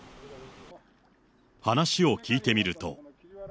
話を聞いてみると。